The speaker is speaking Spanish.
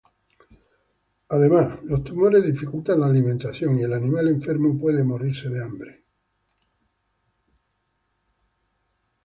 Además los tumores dificultan la alimentación, y el animal enfermo puede morirse de hambre.